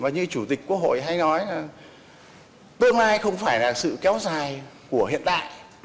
như chủ tịch quốc hội hay nói là tương lai không phải là sự kéo dài của hiện đại